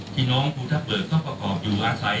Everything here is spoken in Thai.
พี่น้องภูทะเบิกก็ประกอบอยู่อาศัย